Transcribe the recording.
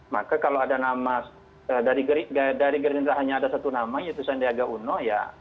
maka kalau ada nama dari gerindra hanya ada satu nama yaitu sandiaga uno ya